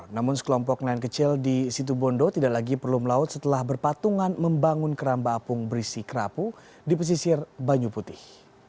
namun sekelompok nelayan kecil di situ bondo tidak lagi perlu melaut setelah berpatungan membangun keramba apung berisi kerapu di pesisir banyu putih